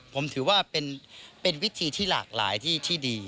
ผมถือว่าเป็นวิธีที่หลากหลายที่ดี